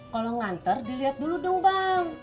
kalau nganter dilihat dulu dong bang